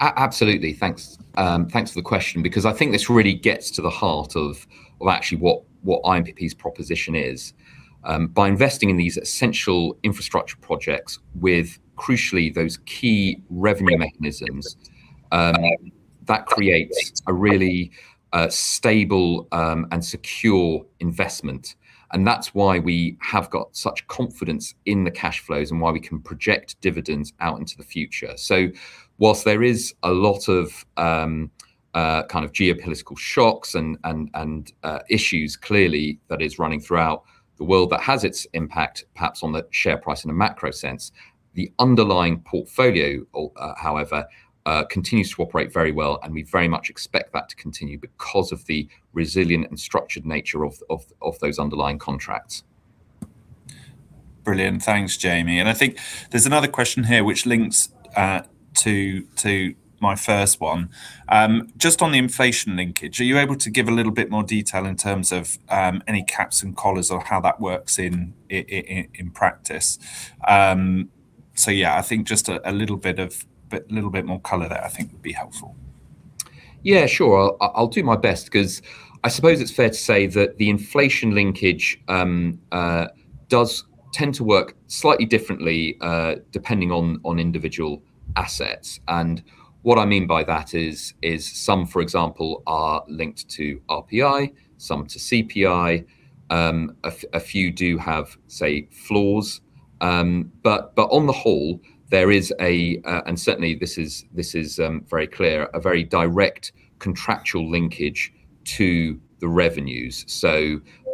Absolutely. Thanks. Thanks for the question, because I think this really gets to the heart of actually what INPP's proposition is. By investing in these essential infrastructure projects with crucially those key revenue mechanisms, that creates a really stable and secure investment. That's why we have got such confidence in the cash flows and why we can project dividends out into the future. While there is a lot of kind of geopolitical shocks and issues clearly that is running throughout the world that has its impact perhaps on the share price in a macro sense, the underlying portfolio, however, continues to operate very well. We very much expect that to continue because of the resilient and structured nature of those underlying contracts. Brilliant. Thanks, Jamie. I think there's another question here which links to my first one. Just on the inflation linkage, are you able to give a little bit more detail in terms of any caps and collars or how that works in practice? Yeah, I think just a little bit more color there I think would be helpful. Yeah, sure. I'll do my best because I suppose it's fair to say that the inflation linkage does tend to work slightly differently depending on individual assets. What I mean by that is some, for example, are linked to RPI, some to CPI. A few do have, say, floors. On the whole, there is a, and certainly this is very clear, a very direct contractual linkage to the revenues.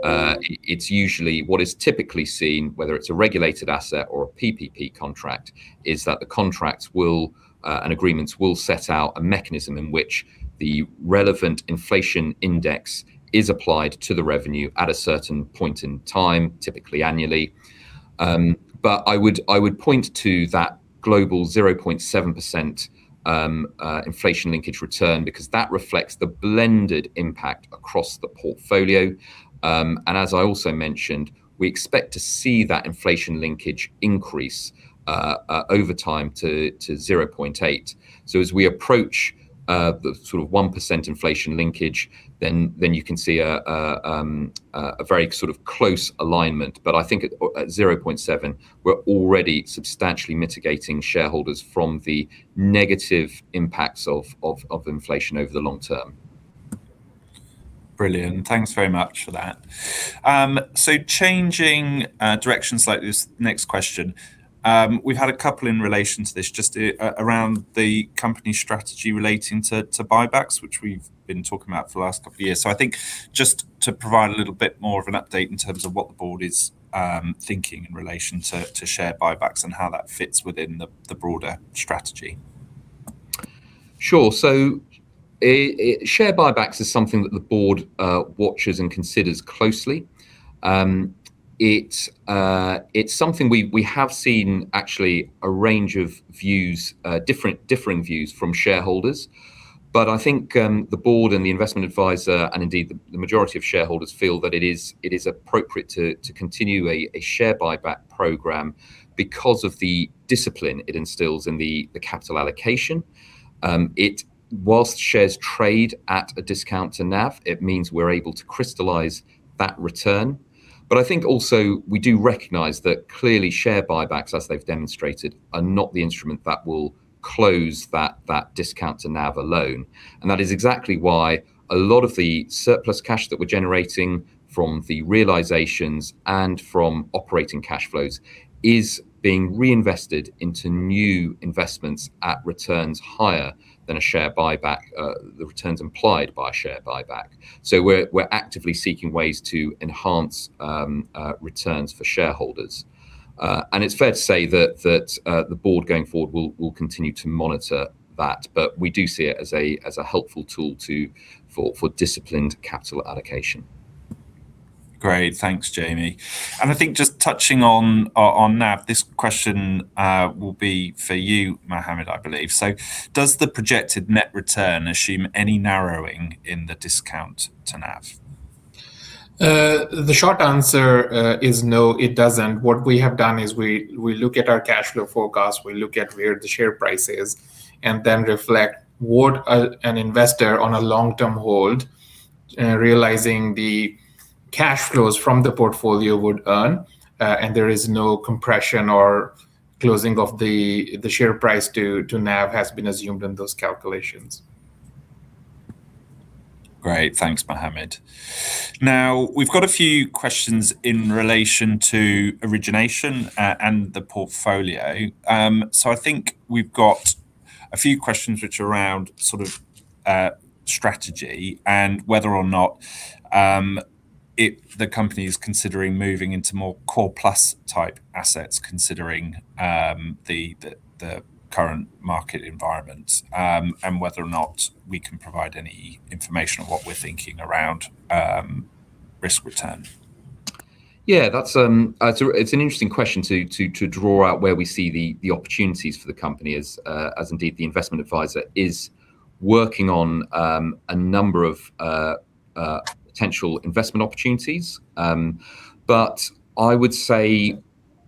It's usually what is typically seen, whether it's a regulated asset or a PPP contract, is that the contracts will and agreements will set out a mechanism in which the relevant inflation index is applied to the revenue at a certain point in time, typically annually. I would point to that global 0.7% inflation linkage return because that reflects the blended impact across the portfolio. As I also mentioned, we expect to see that inflation linkage increase over time to 0.8. As we approach the sort of 1% inflation linkage, then you can see a very sort of close alignment. I think at 0.7, we're already substantially mitigating shareholders from the negative impacts of inflation over the long term. Brilliant. Thanks very much for that. Changing directions slightly, this next question. We've had a couple in relation to this just around the company strategy relating to buybacks, which we've been talking about for the last couple of years. I think just to provide a little bit more of an update in terms of what the board is thinking in relation to share buybacks and how that fits within the broader strategy. Sure. Share buybacks is something that the board watches and considers closely. It is something we have seen actually a range of views, differing views from shareholders. I think the board and the investment advisor, and indeed the majority of shareholders, feel that it is appropriate to continue a share buyback program because of the discipline it instills in the capital allocation. While shares trade at a discount to NAV, it means we're able to crystallize that return. I think also we do recognize that clearly share buybacks, as they've demonstrated, are not the instrument that will close that discount to NAV alone. That is exactly why a lot of the surplus cash that we're generating from the realizations and from operating cash flows is being reinvested into new investments at returns higher than a share buyback, the returns implied by a share buyback. We're actively seeking ways to enhance returns for shareholders. It's fair to say that the board going forward will continue to monitor that. We do see it as a helpful tool for disciplined capital allocation. Great. Thanks, Jamie. I think just touching on NAV, this question will be for you, Muhammad, I believe. Does the projected net return assume any narrowing in the discount to NAV? The short answer is no, it doesn't. What we have done is we look at our cash flow forecast, we look at where the share price is, and then reflect what an investor on a long-term hold, realizing the cash flows from the portfolio would earn, and there is no compression or closing of the share price to NAV has been assumed in those calculations. Great. Thanks, Muhammad. Now, we've got a few questions in relation to origination and the portfolio. I think we've got a few questions which are around sort of strategy and whether or not if the company is considering moving into more core plus type assets considering the current market environment and whether or not we can provide any information on what we're thinking around risk return. That's an interesting question to draw out where we see the opportunities for the company as indeed the investment advisor is working on a number of potential investment opportunities. I would say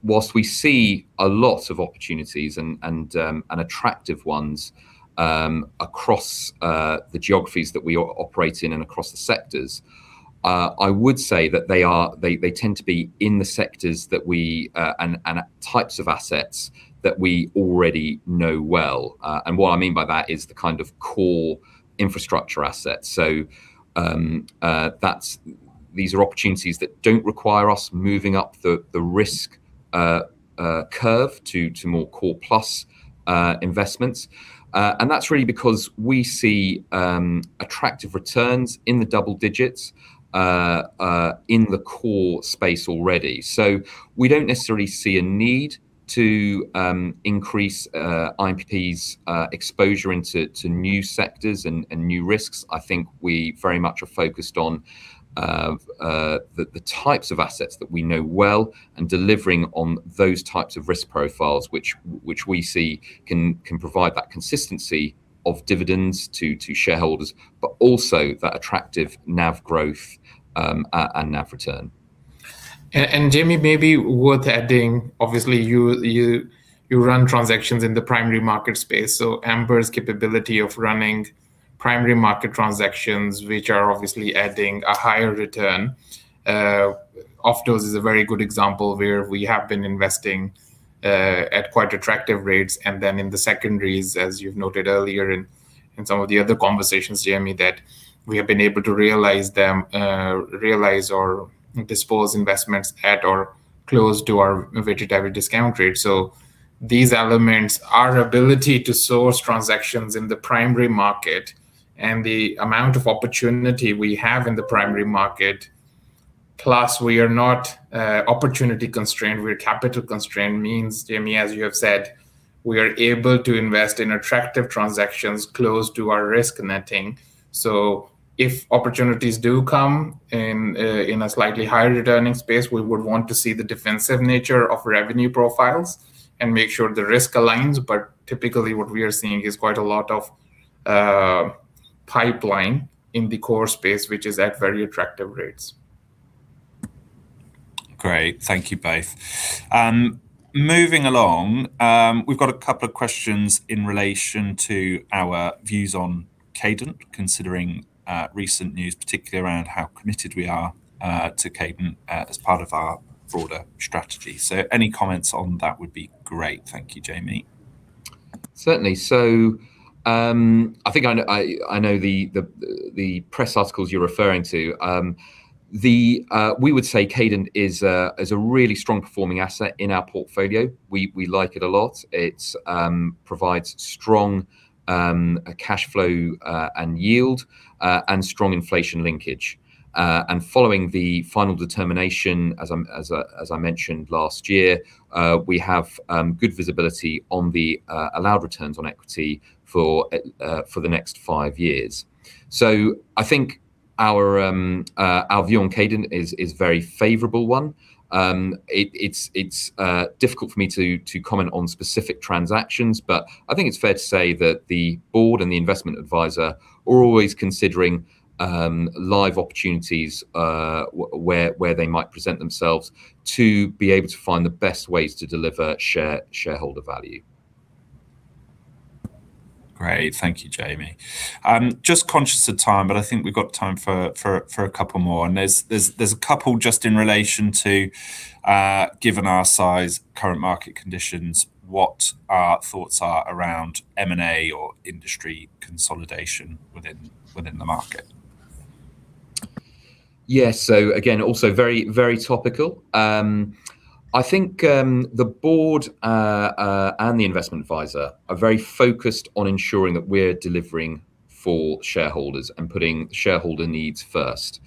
whilst we see a lot of opportunities and attractive ones across the geographies that we operate in and across the sectors, I would say that they tend to be in the sectors that we and types of assets that we already know well. What I mean by that is the kind of core infrastructure assets. These are opportunities that don't require us moving up the risk curve to more core plus investments. That's really because we see attractive returns in the double digits in the core space already. We don't necessarily see a need to increase INPP's exposure to new sectors and new risks. I think we very much are focused on the types of assets that we know well and delivering on those types of risk profiles, which we see can provide that consistency of dividends to shareholders, but also that attractive NAV growth and NAV return. Jamie, maybe worth adding, obviously, you run transactions in the primary market space, so Amber's capability of running primary market transactions, which are obviously adding a higher return. Ofgem is a very good example where we have been investing at quite attractive rates and then in the secondaries, as you've noted earlier in some of the other conversations, Jamie, that we have been able to realize them, realize or dispose investments at or close to our weighted average discount rate. These elements, our ability to source transactions in the primary market and the amount of opportunity we have in the primary market, plus we are not opportunity constrained, we're capital constrained, means, Jamie, as you have said, we are able to invest in attractive transactions close to our risk setting. If opportunities do come in a slightly higher returning space, we would want to see the defensive nature of revenue profiles and make sure the risk aligns. Typically what we are seeing is quite a lot of pipeline in the core space, which is at very attractive rates. Great. Thank you both. Moving along, we've got a couple of questions in relation to our views on Cadent, considering recent news, particularly around how committed we are to Cadent, as part of our broader strategy. Any comments on that would be great. Thank you, Jamie. Certainly. I know the press articles you're referring to. We would say Cadent is a really strong performing asset in our portfolio. We like it a lot. It provides strong cash flow and yield and strong inflation linkage. Following the final determination, as I mentioned last year, we have good visibility on the allowed returns on equity for the next five years. Our view on Cadent is a very favorable one. It's difficult for me to comment on specific transactions, but I think it's fair to say that the board and the investment advisor are always considering live opportunities where they might present themselves to be able to find the best ways to deliver shareholder value. Great. Thank you, Jamie. Just conscious of time, but I think we've got time for a couple more. There's a couple just in relation to, given our size, current market conditions, what our thoughts are around M&A or industry consolidation within the market. Yeah. Again, also very, very topical. I think the board and the investment advisor are very focused on ensuring that we're delivering for shareholders and putting shareholder needs first.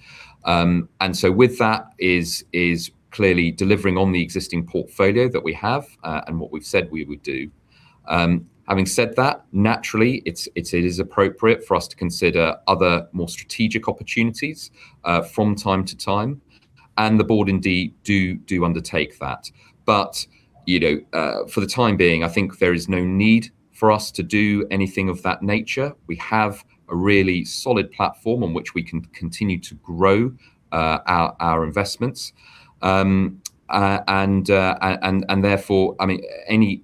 With that is clearly delivering on the existing portfolio that we have and what we've said we would do. Having said that, naturally, it is appropriate for us to consider other more strategic opportunities from time to time, and the board indeed do undertake that. You know, for the time being, I think there is no need for us to do anything of that nature. We have a really solid platform on which we can continue to grow our investments. Therefore, I mean,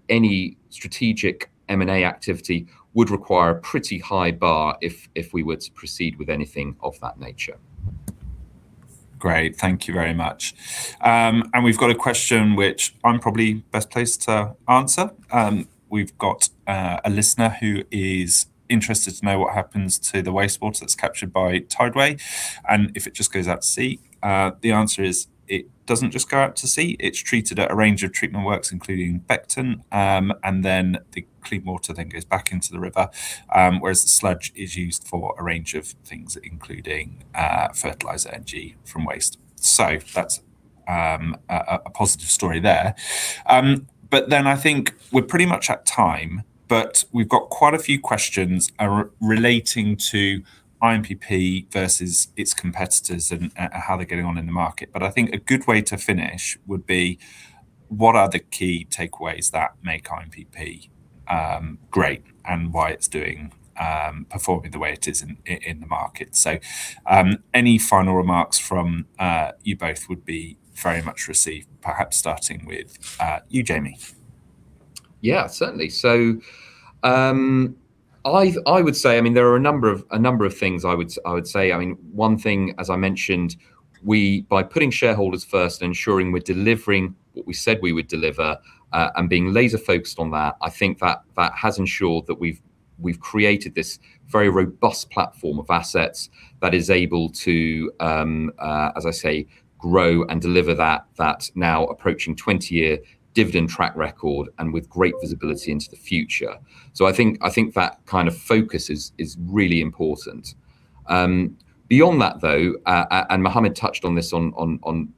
any strategic M&A activity would require a pretty high bar if we were to proceed with anything of that nature. Great. Thank you very much. We've got a question which I'm probably best placed to answer. We've got a listener who is interested to know what happens to the wastewater that's captured by Tideway, and if it just goes out to sea. The answer is it doesn't just go out to sea. It's treated at a range of treatment works, including Beckton, and then the clean water then goes back into the river, whereas the sludge is used for a range of things, including fertilizer energy from waste. That's a positive story there. I think we're pretty much at time, but we've got quite a few questions relating to INPP versus its competitors and how they're getting on in the market. I think a good way to finish would be what are the key takeaways that make INPP great and why it's doing performing the way it is in the market? Any final remarks from you both would be very much received, perhaps starting with you, Jamie. Yeah, certainly. I would say, I mean, there are a number of things I would say. I mean, one thing, as I mentioned, by putting shareholders first and ensuring we're delivering what we said we would deliver, and being laser-focused on that, I think that has ensured that we've created this very robust platform of assets that is able to, as I say, grow and deliver that now approaching 20-year dividend track record and with great visibility into the future. I think that kind of focus is really important. Beyond that though, and Muhammad Anwar touched on this on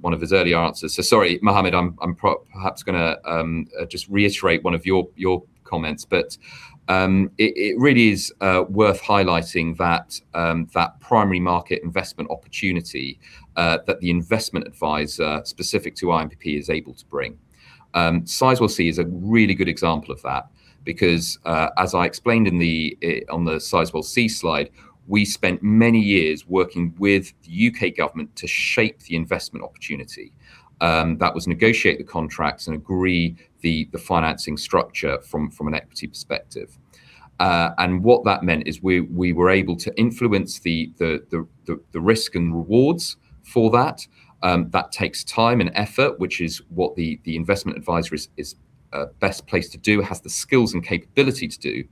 one of his earlier answers. Sorry, Muhammad, I'm probably gonna just reiterate one of your comments, but it really is worth highlighting that primary market investment opportunity that the investment advisor specific to INPP is able to bring. Sizewell C is a really good example of that because, as I explained on the Sizewell C slide, we spent many years working with the U.K. government to shape the investment opportunity. That was negotiate the contracts and agree the financing structure from an equity perspective. And what that meant is we were able to influence the risk and rewards for that. That takes time and effort, which is what the investment advisor is best placed to do, has the skills and capability to do.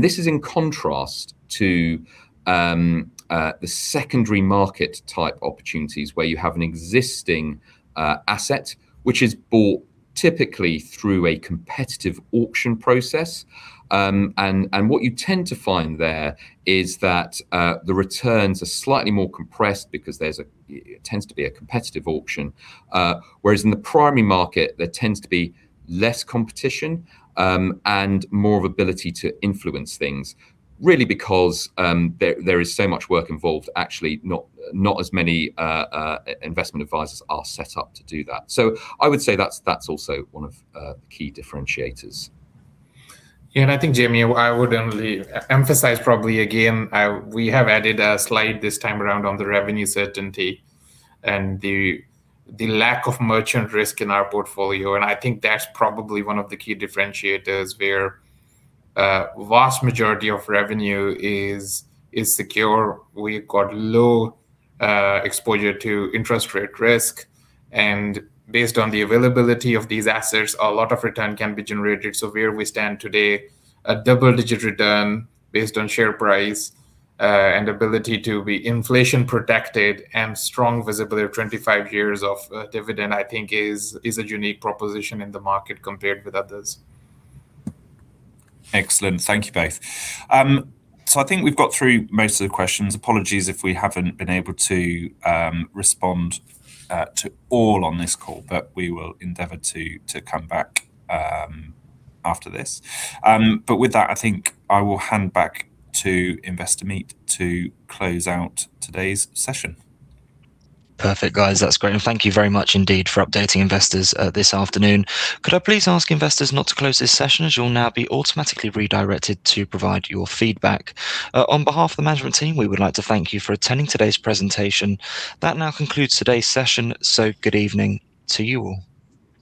This is in contrast to the secondary market type opportunities where you have an existing asset which is bought typically through a competitive auction process. What you tend to find there is that the returns are slightly more compressed because it tends to be a competitive auction. Whereas in the primary market, there tends to be less competition and more of ability to influence things, really because there is so much work involved. Actually, not as many investment advisors are set up to do that. I would say that's also one of the key differentiators. Yeah. I think, Jamie, I would only emphasize probably again, we have added a slide this time around on the revenue certainty and the lack of merchant risk in our portfolio, and I think that's probably one of the key differentiators where vast majority of revenue is secure. We've got low exposure to interest rate risk. Based on the availability of these assets, a lot of return can be generated. Where we stand today, a double-digit return based on share price and ability to be inflation protected and strong visibility of 25 years of dividend, I think is a unique proposition in the market compared with others. Excellent. Thank you both. I think we've got through most of the questions. Apologies if we haven't been able to respond to all on this call, but we will endeavor to come back after this. With that, I think I will hand back to Investor Meet to close out today's session. Perfect, guys. That's great. Thank you very much indeed for updating investors, this afternoon. Could I please ask investors not to close this session as you'll now be automatically redirected to provide your feedback. On behalf of the management team, we would like to thank you for attending today's presentation. That now concludes today's session, so good evening to you all.